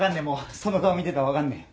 その顔見てたら分かんねえ。